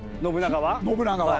信長は？